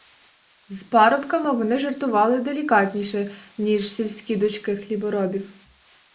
З парубками вони жартували делікатніше, ніж сільські дочки хліборобів.